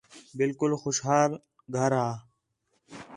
بالکل خوشحال گھر ہا